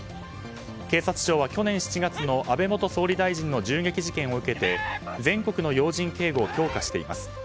警察庁は、去年７月の安倍元総理大臣の銃撃事件を受けて全国の要人警護を強化しています。